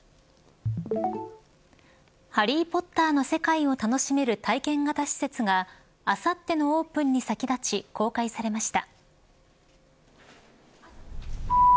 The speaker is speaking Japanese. ハリー・ポッターの世界を楽しめる体験型施設があさってのオープンに先立ち公開されました。